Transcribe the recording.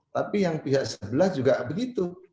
tapi yang pihak sebelah juga begitu